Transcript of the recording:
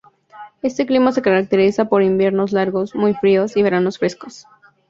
Este clima se caracteriza por inviernos largos, muy fríos, y veranos frescos.